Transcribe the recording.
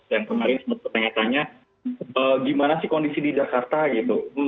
dan kemarin sebetulnya tanya tanya gimana sih kondisi di jakarta gitu